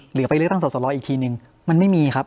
หรือไปเลือกตั้งสอสรอีกทีนึงมันไม่มีครับ